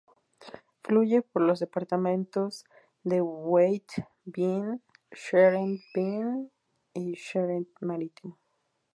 Fluye por los departamentos de Haute-Vienne, Charente, Vienne y Charente Marítimo.